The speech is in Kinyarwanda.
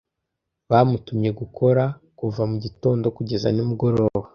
Bamutumye gukora kuva mugitondo kugeza nimugoroba.